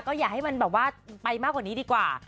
ก็อยากให้มันไปมากกว่านี้ดีกว่า